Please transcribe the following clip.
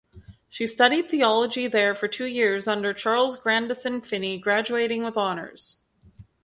She studied theology there for two years under Charles Grandison Finney graduating with honours.